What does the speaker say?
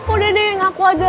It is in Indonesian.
udah deh ngaku aja